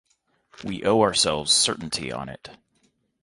We owe ourselves certainty on it.